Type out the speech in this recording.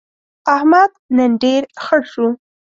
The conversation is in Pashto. احمد نن ډېر خړ شو.